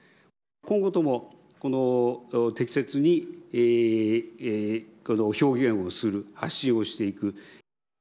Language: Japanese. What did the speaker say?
今後とも、適切に表現をする、発信をしていく。